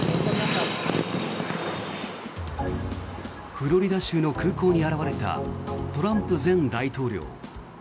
フロリダ州の空港に現れたトランプ前大統領。